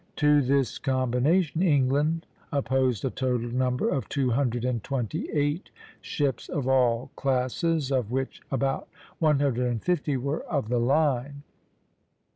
To this combination England opposed a total number of two hundred and twenty eight ships of all classes, of which about one hundred and fifty were of the line.